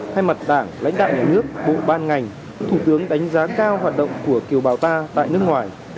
thay mặt đảng lãnh đạo nhà nước bộ ban ngành thủ tướng đánh giá cao hoạt động của kiều bào ta tại nước ngoài